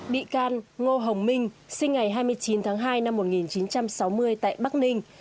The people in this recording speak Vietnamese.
bị can ngô hồng minh sinh ngày hai mươi chín tháng hai năm một nghìn chín trăm sáu mươi tại bắc ninh